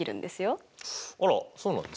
あらそうなんですか？